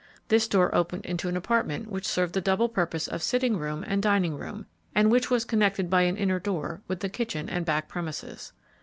This door opened into an apartment which served the double purpose of sitting room and dining room, and which was connected by an inner door with the kitchen and back premises.